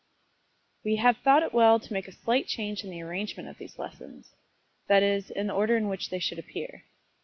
We have thought it well to make a slight change in the arrangement of these lessons that is, in the order in which they should appear.